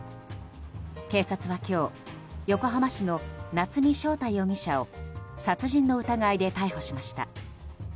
警察は今日、横浜市の夏見翔太容疑者を殺人の疑いで逮捕しました。